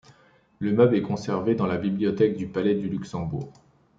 Le meuble est conservé dans la bibliothèque du palais du Luxembourg.